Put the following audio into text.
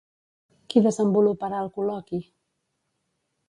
Qui desenvoluparà el col·loqui?